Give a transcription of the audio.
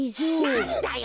なんだよ！